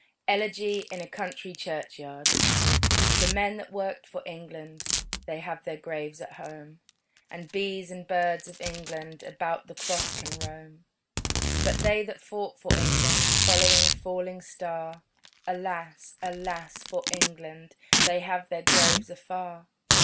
ELEGY IN A COUNTRY CHURCHYARD The men that worked for England They have their graves at home: And bees and birds of England About the cross can roam. But they that fought for England, Following a falling star, Alas, alas for England They have their graves afar.